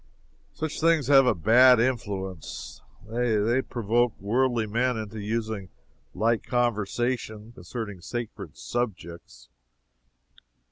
Such things have a bad influence. They provoke worldly men into using light conversation concerning sacred subjects.